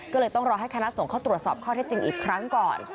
ก็เลยต้องรอให้คณะสงฆ์เข้าตรวจสอบข้อเท็จจริงอีกครั้งก่อน